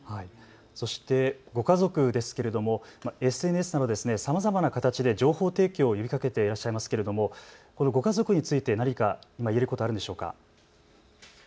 そしてご家族ですけれどもＳＮＳなどさまざまな形で情報提供を呼びかけていらっしゃいますけれどもこのご家族について何か今、言えることはあるでしょうか。